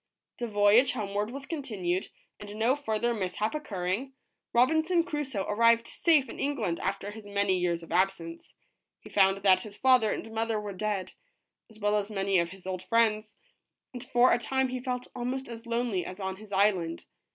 The voyage homeward was continued ; and no further mishap occurring, Robinson Crusoe arrived safe in England after his many years of absence. He found that his father and mother were dead, as well as many of his old friends, and for a time he felt almost as lonely as on his island.